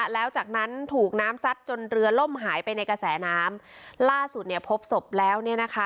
แล้วจากนั้นถูกน้ำซัดจนเรือล่มหายไปในกระแสน้ำล่าสุดเนี่ยพบศพแล้วเนี่ยนะคะ